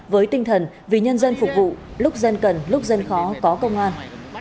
với tinh thần vì nhân dân phục vụ lúc dân cần lúc dân khó có công an